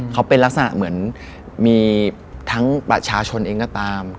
เขาเป็นลักษณะเหมือนมีทั้งประชาชนเองก็ตาม